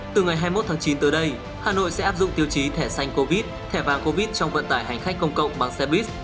từ ngày hai mươi một tháng chín tới đây hà nội sẽ áp dụng tiêu chí thẻ xanh covid thẻ vàng covid trong vận tải hành khách công cộng bằng xe buýt